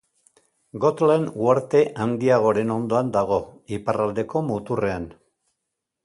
Gotland uharte handiagoaren ondoan dago, iparraldeko muturrean.